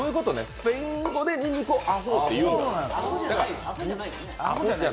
スペイン語でにんにくをアホーっていうんだ。